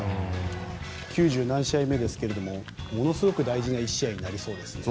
９０何試合目ですがこのすごく大事な１週間になりそうですね。